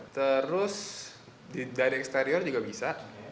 terus dari eksterior juga bisa